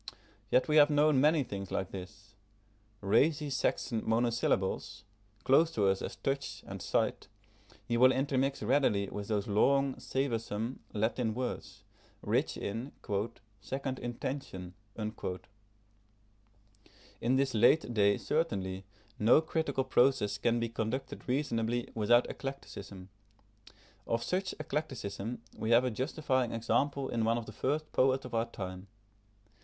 Yet we have known many things like this. Racy Saxon monosyllables, close to us as touch and sight, he will intermix readily with those long, savoursome, Latin words, rich in "second intention." In this late day certainly, no critical process can be conducted reasonably without eclecticism. Of such eclecticism we have a justifying example in one of the first poets of our time.